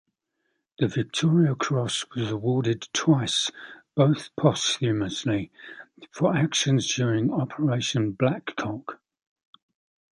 The Victoria Cross was awarded twice, both posthumously, for actions during Operation "Blackcock".